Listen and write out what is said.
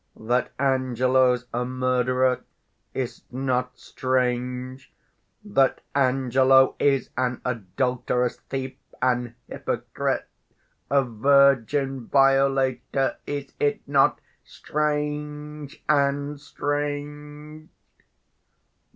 That Angelo's a murderer; is't not strange? That Angelo is an adulterous thief, 40 An hypocrite, a virgin violator; Is it not strange and strange?